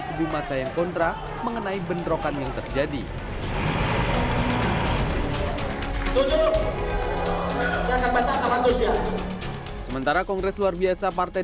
kubu masa yang kontra mengenai benrokan yang terjadi sementara kongres luar biasa partai